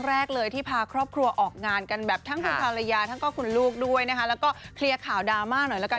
แล้วก็ส่งไลน์หน้าจอทักทายกันมา